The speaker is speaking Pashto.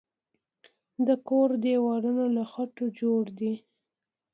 د کور دیوالونه له خټو جوړ دی.